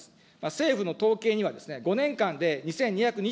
政府の統計には、５年間で２２２